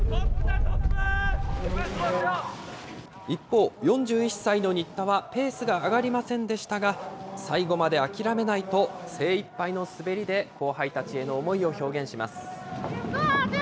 一方、４１歳の新田はペースが上がりませんでしたが、最後まで諦めないと、精いっぱいの滑りで後輩たちへの思いを表現します。